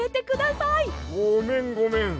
ごめんごめん。